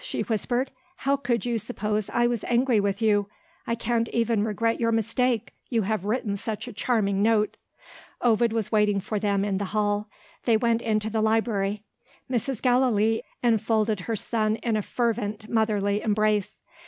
she whispered, "how could you suppose I was angry with you? I can't even regret your mistake, you have written such a charming note." Ovid was waiting for them in the hall. They went into the library. Mrs. Gallilee enfolded her son in a fervent motherly embrace.